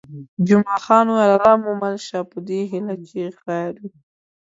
جمعه خان وویل: الله مو مل شه، په دې هیله چې خیر وي.